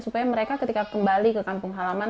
supaya mereka ketika kembali ke kampung halaman